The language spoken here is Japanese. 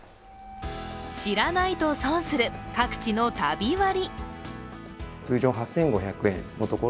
知らないと損する各地の旅割。